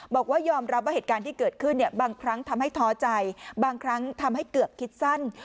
บอกว่ายอมรับว่าเหตุการณ์ที่เกิดขึ้นเนี่ยบางครั้งทำให้ท้อใจบางครั้งทำให้เกือบคิดสั้น